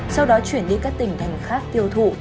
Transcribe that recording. sau đó chuyển đi các tỉnh thành khác tiêu thụ